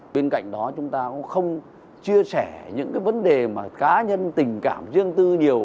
bên cạnh đó chúng ta không chia sẻ những vấn đề cá nhân tình cảm riêng tư nhiều